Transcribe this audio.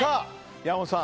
山本さん